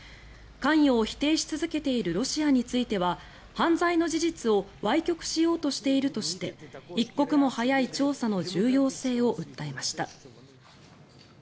関与を否定し続けているロシアについては犯罪の事実をわい曲しようとしているとして一刻も早い調査の重要性を訴えました。